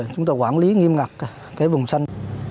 chúng tôi quản lý nghiêm ngặt vùng xanh